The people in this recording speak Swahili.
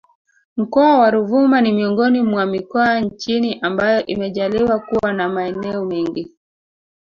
Mkoa wa Ruvuma ni miongoni mwa mikoa nchini ambayo imejaliwa kuwa na maeneo mengi